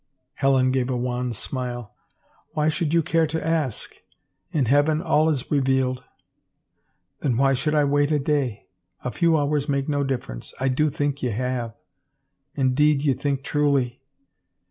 Helen gave a wan smile. " Why should you care to ask ?... In heaven all is revealed." " Then why should I wait a day ? A few hours make no difference. I do think ye have." " Indeed, ye think truly."